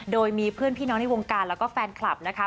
โดยมีเพื่อนพี่น้องในวงการแล้วก็แฟนคลับนะคะ